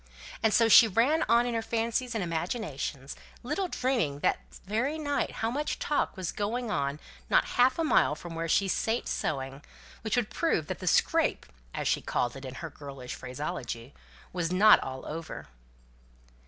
And so she ran on in her fancies and imaginations, little dreaming that that very night much talk was going on not half a mile from where she sate sewing, that would prove that the "scrape" (as she called it, in her girlish phraseology) was not all over.